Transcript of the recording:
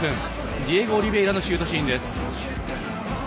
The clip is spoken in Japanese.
ディエゴ・オリヴェイラのシュートシーンです。